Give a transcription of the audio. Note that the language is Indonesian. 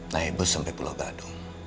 naik bus sampai pulau gadung